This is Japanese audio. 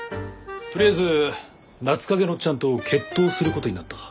とりあえず夏影のオッチャンと決闘することになった。